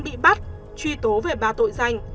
bị bắt truy tố về bà tội danh